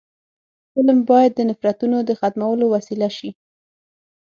فلم باید د نفرتونو د ختمولو وسیله شي